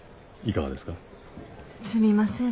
すみません。